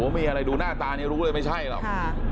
มีอะไรดูหน้าตานี่รู้เลยไม่ใช่หรอก